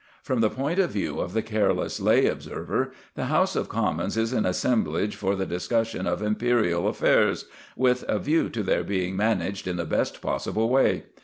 From the point of view of the careless lay observer, the House of Commons is an assemblage for the discussion of Imperial affairs, with a view to their being managed in the best possible way.